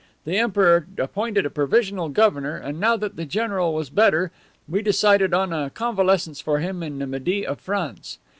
The Emperor appointed a provisional governor, and now that the general was better we decided on a convalescence for him in the midi of France.